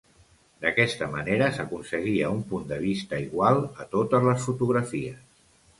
D'aquesta manera s'aconseguia un punt de vista igual a totes les fotografies.